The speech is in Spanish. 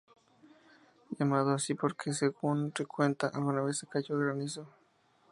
Llamado así porque según se cuenta alguna vez cayó granizo.